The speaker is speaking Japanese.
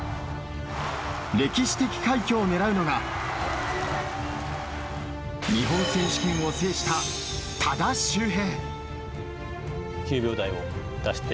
歴史的快挙を狙うのが日本選手権を制した多田修平。